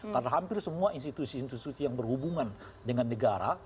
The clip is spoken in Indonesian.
karena hampir semua institusi institusi yang berhubungan dengan negara